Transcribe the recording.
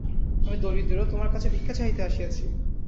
আমি দরিদ্র, তোমার কাছে ভিক্ষা চাহিতে আসিয়াছি।